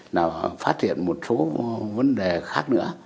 nó phát hiện một số vấn đề khác nữa